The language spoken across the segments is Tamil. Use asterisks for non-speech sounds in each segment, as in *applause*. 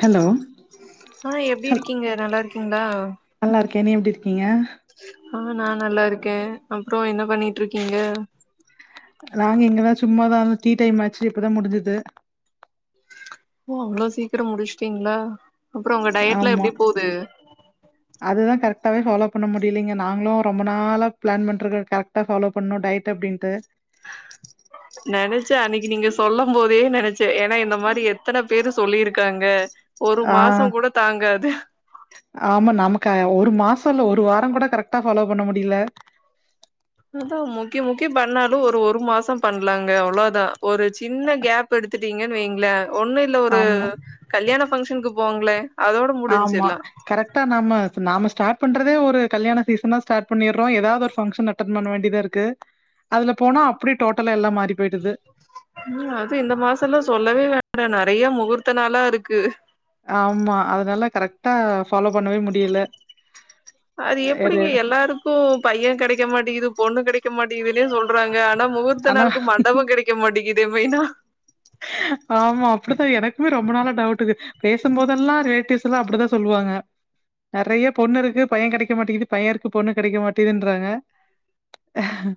ஹலோ ஆ எப்டி ஹல் இருக்கீங்க நல்லா இருக்கீங்ளா? நல்லா இருக்கேன் நீ எப்டி இருக்கீங்க? ஆ நா நல்லா இருக்கேன் அப்றோ என்ன பண்ணிட்டு இருக்கீங்க? நாங்க இங்கதா சும்மாதா இந்த டீ டைம் ஆச்சு இப்பதா முடிஞ்சுது ஓ அவ்ளோ சீக்கிரோ முடிச்சீட்டீங்ளா அப்றோ உங்க டயடெல்லா ஆமா எப்டி போது அதுதா கரெக்டாவே ஃபாலோ பண்ண முடிலங்க நாங்களு ரொம்ப நாளா ப்ளான் பண்றுக்கோ கரெ க்ட்டா ஃபாலோ பண்ணு டயட் அப்டின்ட்டு நெனச்சன் அன்னைக்கு நீங்க சொல்லம்போதே நென ச்சே ஏனா என்ன மாரி எத்தன பேரு சொல்லிருக்காங்க ஒரு ஆ மாசோங் கூட தாங்காது ஆமா நமக்கு ஒரு மாசோ இல்ல ஒரு வாரோங் கூட கரெக்ட்டா ஃபாலோ பண்ண முடில அதா முக்கி முக்கி பண்ணாலு ஒரு ஒரு மாசோ பண்லாங்க அவ்ளதா ஒரு சின்ன கேப் எடுத் தீங்கனு வைங்ளே ஒண்ணு இல்ல ஒரு ஆமா கல்யாண ஃபங்க்ஷனுக்கு போங்களேன் ஆமா கரெக்டா நாம இப்ப நாம ஸ்டார்ட் பண்றதே ஒரு கல்யாண சீசனா ஸ்டார்ட் பண்ணிர்றோ எதாவது ஒரு ஃபங்க்ஷன் அட்டன்பண்ண வேண்டிதா இருக்கு அதுல போனா அப்டியே டோட்டலா எல்லா மாறி போயிடுது ம் அது இந்த மாசோ எல்லா சொல்லவே வேண்டா நெறயா முகூர்த்த நாளா இருக்கு ஆமா அதனால கரெக்டா ஃபாலோ பண்ணவே முடில அது எப்டிங்க எல்லாரு க்கு பையன் கெடைக்க மாட்டீகுது பொண்ணு கெடைக்க மாட்டீதுனே சொல்றாங்க ஆனா முகூர்த்த ஆனா நாளுக்கு மண்டபோ கெடை மாட்டேகுது மெயின்னா ஆமா அப்டிதா எனக்குமே ரொம்ப நாளா டவுட்டு பேசும்போதெல்லா ரிலேட்டிவ்ஸ் எல்லா அப்டிதா சொல்லுவாங்க நெறயா பொண்ணு இருக்கு பையன் கெடைக்க மாட்டீது பையன் இருக்கு பொண்ணு கெடைக்க மாட்டீதுன்றாங்க அஹ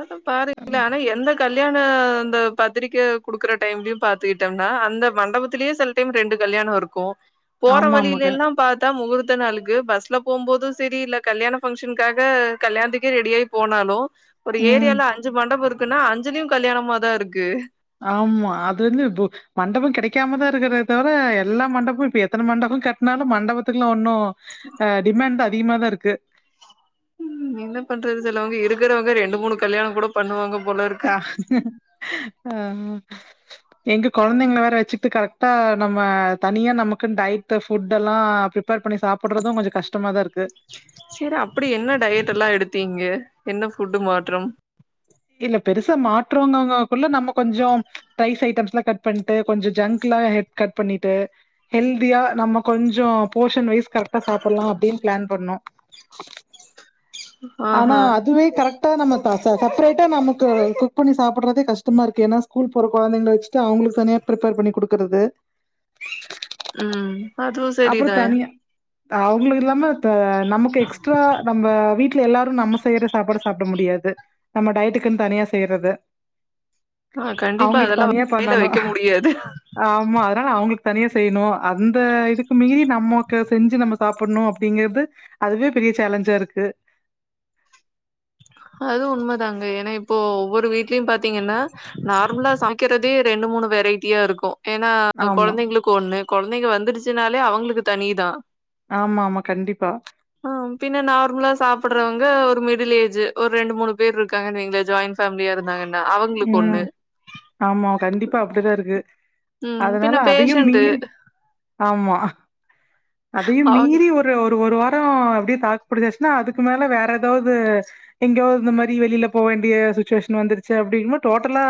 அதா பாருங்ளே ஆனா எந்த கல்யாண அந்த பத்திரிக்கை குடுக்கற டைம்லயு பாத்துட்டம்னா அந்த மண்டபத்திலயே சில டைம் ரெண்டு கல்யாணோ இருக்கு போற வழில ஆமாமாங்க. எல்லா பா த்தா முகூர்த்த நாளுக்கு பஸ்ல போம்போது சரி இல்ல கல்யாண ஃபங்க்ஷனுக்காக கல்யாணத்துக்கே ரெடி ஆயி போனாலு ஒரு ம். ஏரியால அஞ்சு மண்டபோ இருக்குன்னா அஞ்சுலயு கல்யாணமாதா இருக்கு ஆமா அது வந்து மண்டபோ கெடைக்காமதா இருக்கிறத தவிர எல்லா மண்டபோ இப்ப எத்தன மண்டபோ கட்னாலு மண்டபத்துக்கெல்லா ஒண்ணு ஆ டிமேண்டு அதிகமாதா இருக்கு ம் என்ன பண்றது தெரில அவுங்க இருக்கிறவங்க ரெண்டு மூணு கல்யாணோ கூட பண்ணுவாங்க போலரு ஆ அம் எங்க கொழந்தைங்கள வேற வச்சுக்ட்டு கரெக்டா நம்ம தனியா நமக்குன்னு டய் ப புட் எல்லா பிரிப்பேர் பண்ணி சாப்புட்றது கொஞ்சோ கஷ்டமாதா இருக்கு சேரி அப்பிடி என்ன டயட் எல்லா எடுத்தீங்க என்ன ஃபுட்டு மாற்றம் இல்ல பெருசா மாற்றோங்கககுள்ள நம்ம கொஞ்சோம் தை ஸ் ஐட்டம்ஸ்லா கட் பண்டு கொஞ்ச ஜங்க்லா எ கட் பண்ணிட்டு ஹெல்தியா நம்ம கொஞ்சோ போஷன் வைஸ் கரெக்டா சாபுட்லா அப்டின்னு பிளான் பண்ணோ ஆனா ஆஹா அதுவே கரெ டா நம்ம த ச சேப்ரைட்டா நமக்கு குக் பண்ணி சாபுட்ரதே கஷ்டமா இருக்கு ஏனா ஸ்கூல் போற கொழந்தைங்கள வச்சுட்டு அவுங்களுக்கு தனியா பிரிப்பேர் பண்ணி குடுக்குறது ம் அதுவு அப்புறோ செரிதா தனியா அவுங்களுக்கு இல்லாம த நமக்கு எக்ஸ்ட்ரா நம்ப வீட்டு ல எல்லாரு நம்ம செய்யற சாப்பாட சாப்ட முடியாது நம்ம டயட்க்குன் தனியா செய்றது ஆ கண்டிப்பா அவுங்களுக்கு அதெல்லா தனியா வாயில பண்ணனு வைக்க முடியாது ஆமா அதனால நா அவுங்களுக்கு தனியா செய்ணு அந்த இது மீறி நம்மோக்கு செஞ்சு நம்ம சாப்ட்ணு அப்டிங்குறது அதுவே பெரிய சேலஞ்சா இருக்கு அது உண்ம தாங்க ஏனா இப்போ ஒவ்வொரு வீட்லயு பாத்தீங்கன்னா நார்மலா சமக்கிறதே ரெண்டு மூணு வெரைட்டியா இருக்கு ஏனா ஆமா. கொழந்தைங்களுக்கு ஒண்ணு கொழந்தைங்க வந்துடுச்சுனாலே அவுங்களுக்கு தனி தா ஆமா ஆமா கண்டிப்பா ஆ பின்ன நார்மலா சாப்டுறவங்க ஒரு மிடில் ஏ ஜ்ஜு ஒரு ரெண்டு மூணு பேர் இருக்காங்கனு வைங்களே ஜாயிண்ட் ஃபேமிலியா இருந்தாங்கன்னா அவுங்களுக்கு ம். ஒண்ணு ஆமா கண்டிப்பா அப்டிதா இருக்கு ம் அதனால பின்ன அதையு பேஷண்ட் மீறி ஆமா அதையு அவங்க மீறி ஒர் ல்ல ஒரு ஒரு வாரோ அப்டியே தாக்குப்புடிச்சுன்னா அதுக்கு மேல வேற எதாவது எங்கேயோ இந்த மாரி வெளில போ வேண்டிய சுச்சுவேஷன் வந்துருச்சு அப் டிங் போ டோட்டலா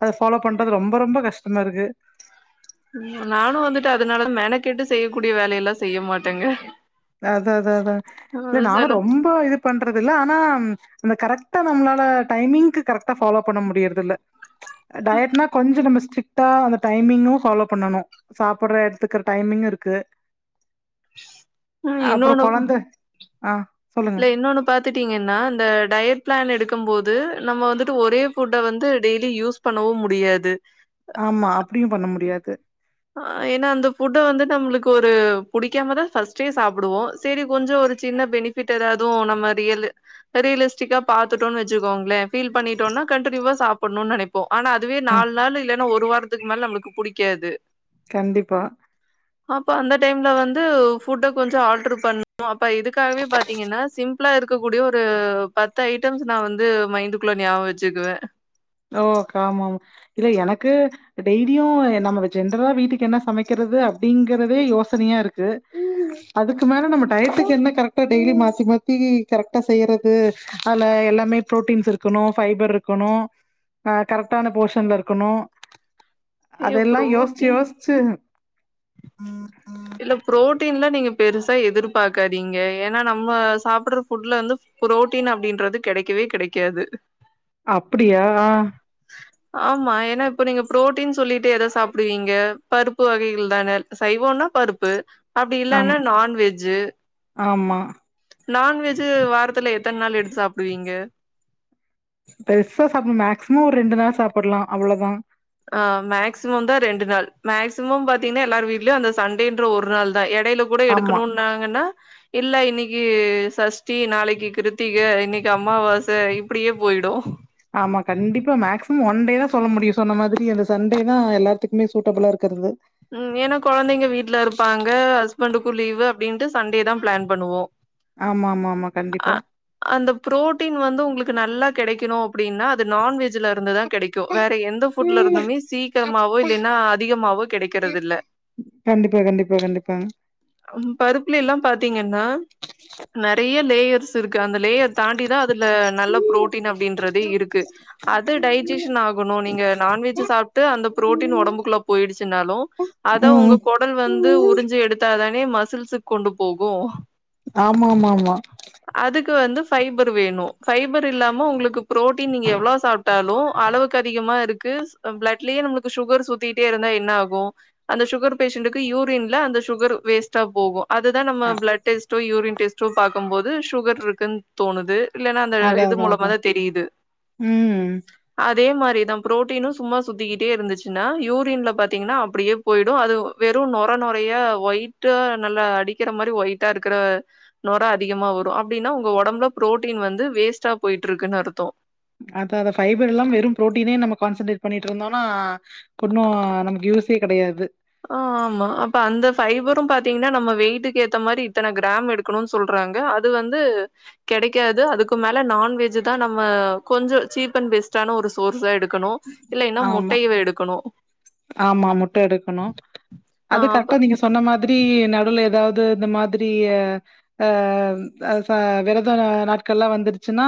அத ஃபாலோ பண்றது ரொம்ப ரொம்ப கஷ்டமா இருக்கு நானு வந்துட்டு அதனால மெனகெட்டு செய்யக்கூடிய வேலையெல்லா செய்ய மாட்டேங்க அதா அதா அதா அ இல்ல நானு செல ரொம்ப இது பண்றது இல்ல ஆனா அந்த கரெக்டா நம்ளால டைமிங்க்கு கரெக்டா ஃபாலோ பண்ண முடியறது இல்ல டயட்னா கொஞ்சோ நம்ம ஸ்டி டா அந்த டைமிங்கு ஃபாலோ பண்ணனு சாப்ட்ற எடுத்துக்ற டைமிங்கு இருக்கு ம் அப்றோ இன்னொன்னு கொழந்த ஆ சொல்லு இல்ல இன்னொன்னு பாத்துட்டீங்கன்னா இந்த டயட் பிளான் எடுக்கும் போது நம்ம வந்துட்டு ஒரே ஃபுட்ட வந்து டெய்லி யூஸ் பண்ணவு முடியாது ஆமா அப்டியு பண்ண முடியாது ஆ ஏனா அந்த ஃபுட்ட வந்து நம்ளுக்கு ஒரு புடிக்காம தா ஃபஸ்டே சாப்டுவோ சேரி கொஞ்சோ ஒரு சின்ன பெனிஃபிட் எதாது நம்ம ரியலு பெரியலிஸ்டிக்கா பாத்துட்டோன்னு வச்சுக்கோங்ளே ஃபீல் பண்ணிட்டோனா கண்டிநியூவா சாப்புட்னுனு நெனப் போ ஆனா அதுவே நால் நாள் இல்லேனா ஒரு வாரத்துக்கு மேல நம்ளுக்கு புடிக்காது கண்டிப்பா அப்ப அந்த டைம்ல வந்து ஃபுட்ட கொஞ்சோ ஆல்ட்ரு பண்ணுனு அப்ப இதுக்காகவே பா த்தீங்கன்னா சிம்ப்ளா இருக்கக்கூடிய ஒரு பத்து ஐட்டம்ஸ் நா வந்து மைன்டுக்குள்ள ஞாபக வச்சுக்குவ ஓ அக்கா ஆமாமா இதுல எனக்கு டெய்லியு எ நமக்கு ஜென்ரலா வீட்டுக்கு என்ன சமக்கிறது அப்டிங்கறதே யோசனையா இருக்கு அதுக்கு மேல நம்ம டயத்துக்கு என்ன கரெக்டா டெய்லி மாத்தி மாத்தி கரெக்டா செய்றது அதுல எல்லாமே ப்ரோட்டீன்ஸ் இருக்கணு ஃபைபர்ருக்கணு ஆ கரெக்டான போஷன்ல இருக்கணு ஐயோ! அதெல்லா யோசிச்சு புரோட்டீன் யோசிச்சு இல்ல புரோட்டீன்ல நீங்க பெருசா எதிர்பாக்காதீங்க ஏன்னா நம்ம சாப்பிடுற ஃபுட்ல வந்து புரோட்டீன் அப்டின்றது கெடைக்கவே கெடைக்காது அப்புடியா ஆ ஆமா ஏன்னா இப்ப நீங்க புரோட் டின் சொல்லிட்டு ஏதோ சாப்புடுவீங்க பருப்பு வகைகள் தான சைவோன்னா பருப்பு அப்டி ஆமா இல்லன்னா நான்வெஜ்ஜு ஆமா நான்வெஜ்ஜூ வாரத்துல எத்தன் நாள் எடுத்து சாப்டுவீங்க? பெருசா சாப்பிட மேக்சிமம் ஒரு ரெண்டு நாள் சாப்பிடலா அவ்ளோ தா ஆ மேக்சிமம் தா ரெண்டு நாள் மேக்சிமம் பாத்தீங்கன்னா எல்லார் வீட்லையு அந்த சண்டேன்ற ஒரு நாள் தா எடைலுக் கூட ஆமா எடுக்கணுன்னாங்கன்னா இல்ல இன்னைக்கு சஷ்டி நாளைக்கு கிருத்திக இன்னைக்கு அம்மாவாச இப்பிடியே போயிடு ஆமா கண்டிப்பா மேக்சிமம் ஒன் டே தா சொல்ல முடியு சொன்ன மாதிரி அந்த சண்டே தா எல்லாத்துக்குமே சூட்டபிளா இருக்கிறது ம் ஏன்னா கொழந்தைங்க வீட்ல இருப்பாங்க ஹஸ்பண்டுக்கு லீவு அப்டின்ட்டு சண்டே தா பிளான் பண்ணுவோ ஆமா ஆமா ஆமா அ கண்டிப்பா அந்த புரோட்டீன் வந்து உங்களுக்கு நல்லா கெடைக்கணு அப்டினாத் இது நான்வெஜ்ல இருந்து தா கெடைக்கு வேற எந்த ஃபுட்ல இருந்துமே சீக்கிரமாவோ இல்லைன்னா அதிகமாவோ கெடைக் கண்டிப்பா கண்டிப்பா கண்டிப்பா அம் பருப்புல எல்லா பாத்தீங்கன்னா நெறைய லேயர்ஸ் இருக்கு அந்த லேயர் தாண்டிதா அதுல நல்ல புரோட்டீன் அப்டின்றதே இருக்கு அது டைஜெஷன் ஆகணு நீங்க நான்வெஜ்ஜூ சாப்ட்டு அந்த புரோட்டீன் ஒடம்புக்குள்ள போயிடுச்சுன்னாலு அத உங்க ம் கொடல் வந்து உறிஞ்சு எடுத்தாதானே மசில்ஸுக் கொண்டு போகு ஆமாமாமா அதுக்கு வந்து ஃபைபர் வேணு ஃபைபர் இல்லாம உங்களுக்கு புரோட்டீன் நீங்க எவ்ளோ சாப்ட் டாலு அளவுக்கு அதிகமா இருக்கு ஸ் பிளட்லயே நம்மளுக்கு சுகர் சுத்திட்டே இருந்தா என்ன ஆகு அந்த சுகர் பேஷண்டக்கு யூரின்ல அந்த சுகர் வேஸ்ட்டா போகு அதுதா நம்ம பிளட் டெஸ்ட்டோ யூரின் டெஸ்ட்டோ பாக்கும்போது சுகர்ருக்குன் தோணுது இல்லன்னா அந்த அதா இது அதா அதா மூலமாதா தெரியுது ம் அதே மாரிதா புரோட்டீனு சும்மா சுத்திக்கிட்டே இருந்துச்சுன்னா யூரின்ல பாத்தீங்கன்னா அப்படியேப் போயிடு அது வெறு நொர நொரையா ஒயிட்டா நல்லா அடிக்கிற மாரி ஒயிட்டா இருக்கிற நொர அதிகமா வரு அப்டின்னா உங்க ஓடம்புல புரோட்டீன் வந்து வேஸ்டா போய்ட்ருக்குன்னு அர்த்தோ அத அத ஃபைபர் இல்லாம வெறு ப்ரோட்டீனே நம்ம கான்சன்ட்ரேட் பண்ணிட்ருந்தோனா ஓண்ணு நமக்கு யூசே கெடையாது ஆ ஆமா அப்ப அந்த ஃபைபரு பாத்தீங்கன்னா நம்ம வெய்டுக்கு ஏத்த மாரி இத்தன கிராம் எடுக் க்கணுன்னு சொல்றாங்க அது வந்து கெடைக்காது அதுக்கு மேல நான்வெஜ்ஜூ தா நம்ம கொஞ்சோ சீப் அண் பெஸ் ட்டான ஒரு சோர்ஸா எடுக்கணு இல்லைன்னா ஆமா முட்டையவ எடுக்கணு ஆமா முட்ட எடுக்கணு ஆ அது அப்ப கரெக்டா நீங்கஸ் சொன்ன மாதிரி நடுல ஏதாவது இந்த மாதிரி அ அ அ ப விரத நாட்கள்லா வந்து ச்சுன்னா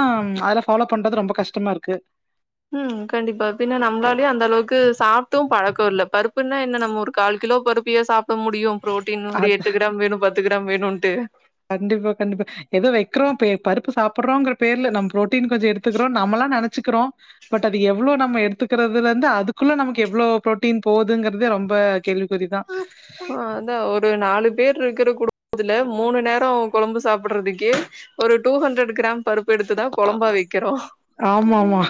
அதுல ஃபாலோ பண்றது ரொம்ப கஷ்டமா இருக்கு ம் கண்டிப்பா பின்ன நம்ளாலே அந்த அளவுக்கு சாப்ட்டு பழக்கோ இல்ல அப்பின்னா நம்ம ஒரு கால் கிலோ பருப்பியா சாப்ட முடியு ப்ரோட்டீன் ஒரு அது எட்டு கிராம் வேணு பத் து க்ராம் வேணுன்ட்டு கண்டிப்பா கண்டிப்பா எதோ வெக்கிறோ பே பருப்பு சாப்டுறோங்கிற பேருல நம் ப்ரோட்டீன் கொஞ்சோ எடுத்துக்குறோ நம்மலா நெனச்சிக்கிறோ பட் அது எவ்ளோ நம்ம எடுத்துக்கிறதுலந்து அதுக்குள்ள நமக்கு எவ்ளோ ப்ரோட்டீன் போதுங்கறதே ரொம்ப கேள்வி புரிதா ஆ அதா ஒரு நாலு பேர் இருக்கிற குடும்பத்துல மூணு நேரோ கொழம்பு சாப்டுறதுக்கே ஒரு டூ ஹண்ட்ரட் க்ரம் பருப்பெடுத்துதா கொழம்பா வெக்கிறோ ஆமாமா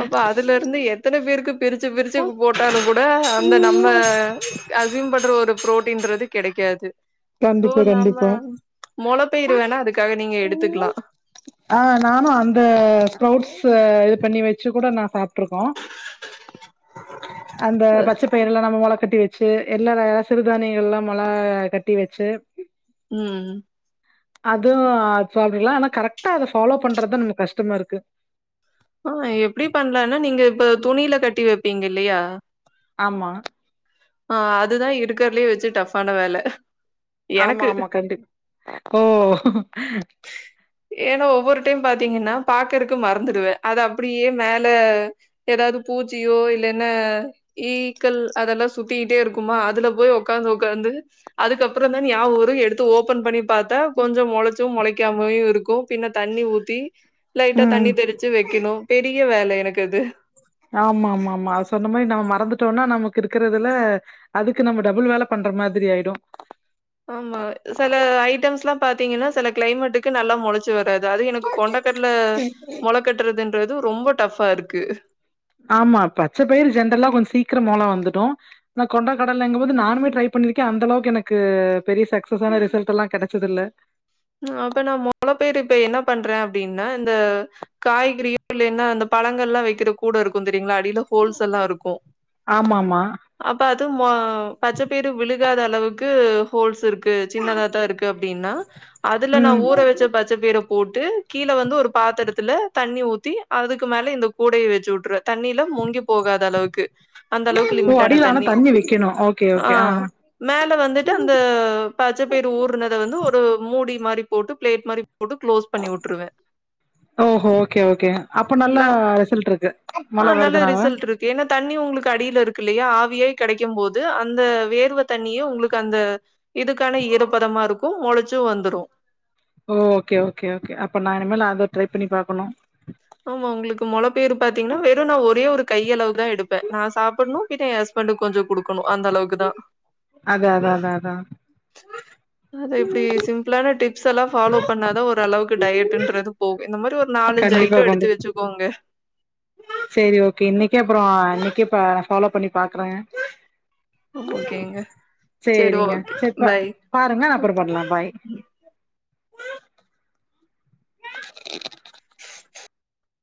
அப்ப அதுல இருந்து எத்தன பேருக்கு பிரிச்சு பிரிச்சு போட்டாலு கூட அந்த நம்ம அம் அஸ்யூம் பண்ற ஒரு ப்ரோட்டீன்றது கெடைக்காது சோ கண்டிப்பா நம்ம கண்டிப்பா. மொளப்பயிர் வேணா அதுக்காக நீங்க எடுத்துக்லா ஆ நானு அந்த ஸ்ப்ரௌட்ஸ் இது பண்ணி வச்சு கூட நா சாப்ட்ருக்கோ அந்த பச்சட் பயர் எல்லா நம்ம மொள கட்டி வச்சு எல்லா சிறுதானியள் எல்லா மொள கட்டி வச்சி ம் அது சாப்புட்லா ஆனா கரெக்டா அத ஃபாலோ பண்றது நமக் கஷ்டமா இருக்கு ஆ எப்டி பண்லானா நீங்க இப்ப துணியில கட்டி வெப்பீங்க இல்லையா ஆமா ஆ அதுதா இருக்கதுலயே வச்சி டஃப்பான வேல ஆமா எனக்கு. ஆமா கண்டிப் ஓ ஏனா ஒவ்வொரு டைம் பாத்தீங்கன்னா பாக்கறக்கு மறந்துடுவ அத அப்டியே மேல ஏதாது பூச்சியோ இல்ல என்ன ஈக்கள் அதெல்லா சுத்திட்டே இருக்குமா அதுல போய் உக்காந்து உக்காந்து அதுக்கப்புறந் தா ஞாவோ வரு எடுத்து ஓப்பன் பண்ணி பாத்தா கொஞ்சம் மொளச்சும் மொளைக்காமயு இருக்கு பின்ன தண்ணி ஊத்தி லைட்டா தண்ணி ம் தெரிச்சு வைக்கணு பெரிய வேல எனக்கு அது ஆமாமாமா சொன்ன மாரி நம்ம மறந்துட்டோனா நமக்கு இருக்கறதுல அதுக்கு நம்ம டபுள் வேல பண்ற மாதிரி ஆய்டு ஆமா செல ஐட்டம்ஸ்ல்லா பாத்தீங்கன்னா செல க்ளைமேட்டு க்கு நல்லா மொளைச்சு வராது அது எனக்கு கொண்டக்கடல மொள கட்டுறதுன்றது ரொம்ப டஃபா இருக்கு ஆமா பச்ச பயர் ஜென்ரலா கொஞ்சோ சீக்கிரோ மொள வந்துடு ஆனா கொண்டகடலைங்கும் போது நானுமே ட்ரை பண்ணிருக்க அந்தளவுக்கு எனக்கு பெரிய சக்சஸான ரிசல்ட் எல்லா கெடச்சது இல்ல அப்ப நா மொளப்பயர் இப்ப என்ன பண்ற அப்டின்னா இந்த காய்கறியு இல்லைன்னா அந்த பழங்கள்ல்லா வைக்கிற கூட இருக்கு தெரியுங்ளா அடிலோ ஹோல்ஸ் எல்லா இருக்கு ஆமா ஆமா அப்ப அது மொ பச்ச பயிரு விழு காத அளவுக்கு ஹோல்ஸ் இருக்கு சின்னதா தா இருக்கு அப்டின்னா அதுல நா ம் ஊற வச்ச பச்சப்பயிற போட்டு கீழ வந்து ஒரு பாத்திரத்துல தண்ணி ஊத்தி அதுக்கு மேல இந்த கூடைய வச்சு உட்ருவ தண்ணில முங்கி போகாத அளவுக்கு அந்த அளவுக்கு ஓ லிமிட்டான அடியில ஆனா தண்ணி வைக்கணு ஓகே ஆ ஓகே மேல வந்துட்டு அந்த பச்சப்பயிர் ஊருனத வந்து ஒரு மூடி மாரி போட்டு ப்ளேட் மாரி போட்டு க்ளோஸ் பண்ணி உட்ருவ ஓ ஓ ஓக்கே ஓக்கே அப்ப நல்ல ந ரிசல்ட் இருக்கு ஆ மழை நல்ல வருதுனால ரிசல்ட் இருக்கு ஏன்னா தண்ணி உங்களுக்கு அடியில இருக்கு இல்லையா ஆவியாய் கடைக்கும் போது அந்த வேர்வ தண்ணியு உங்களுக்கு அந்த இதுக்கான ஈரப்பதமா இருக்கு மொளச்சு வந்துரு ஓ ஓக்கே ஓக்கே ஓக்கே அப்ப நா இனிமேல் அத ட்ரை பண்ணி பாக்கணு ஆமா உங்களுக்கு மொள பெயரு பாத்தீங்கன்னா வெறு நா ஒரே ஒரு கையளவு தா எடுப் ப்ப நா சாப்புட்ணு கிட்ட எ ஹஸ்பண்டக்கு கொஞ்சு கொடுக்கணு அந்தளவுக்கு தா அதா அதா அதா அதா அது இப்பிடி சிம்பிளான டிப்ஸ் எல்லா ஃபாலோ பண்ணாதா ஒரு அளவுக்கு டயட்டுன்றது போகு இந்த மாரி ஒரு நாலஞ்சு ஐ *unintelligible* வந்து போங்க செரி ஓக்கே இன்னைக்கு அப்புறோ இன்னைக்கே பா ஃபாலோ பண்ணி பாக்குறங்க ஓகேங்க. சரி சேரிங்க ஓகே. செரிப் பா பை. பாருங்க அப்புறோ பண்ணலா பாய்